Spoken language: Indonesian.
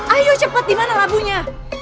ayo cepat dimana labunya